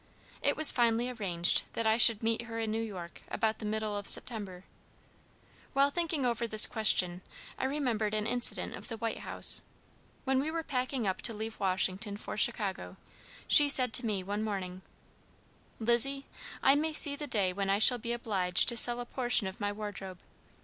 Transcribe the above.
It was finally arranged that I should meet her in New York about the middle of September. While thinking over this question, I remembered an incident of the White House. When we were packing up to leave Washington for Chicago, she said to me, one morning: "Lizzie, I may see the day when I shall be obliged to sell a portion of my wardrobe.